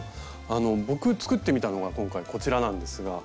あの僕作ってみたのが今回こちらなんですが。